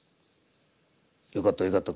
「よかったよかった。